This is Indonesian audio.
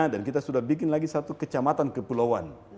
dan kita sudah bikin lagi satu kecamatan kepulauan